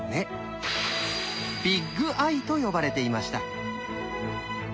「ビッグ・アイ」と呼ばれていました。